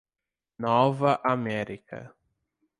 Nova América